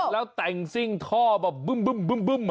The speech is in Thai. แล้วแต่งซิ่งท่อแบบบึ้ม